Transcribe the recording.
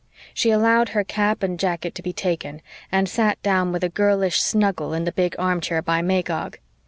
She allowed her cap and jacket to be taken, and sat down with a girlish snuggle in the big armchair by Magog.